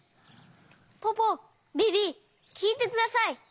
ポポビビきいてください！